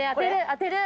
当てる！